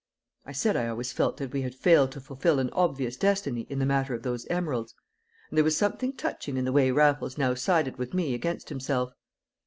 I said I always felt that we had failed to fulfil an obvious destiny in the matter of those emeralds; and there was something touching in the way Raffles now sided with me against himself.